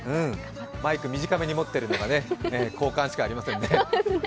マイク短めに持ってるのが、好感しかありませんね。